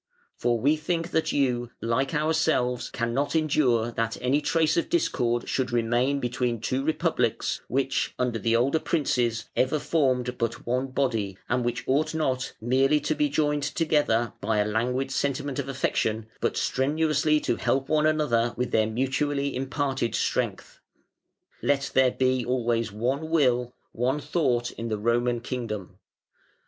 For we think that you, like ourselves, cannot endure that any trace of discord should remain between two Republics which, under the older Princes, ever formed but one body, and which ought not merely to be joined together by a languid sentiment of affection, but strenuously to help one another with their mutually imparted strength. Let there be always one will, one thought in the Roman kingdom.